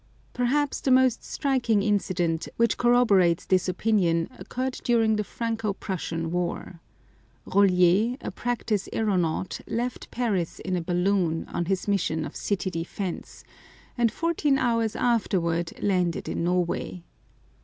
Perhaps the most striking incident which corroborates this opinion occurred during the Franco Prussian War. Rolier, a practised aëronaut, left Paris in a balloon, on his mission of city defence, and fourteen hours afterwards landed in Norway.